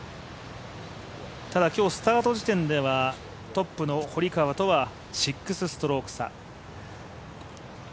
ただ、今日スタート時点ではトップの堀川とは６ストローク差。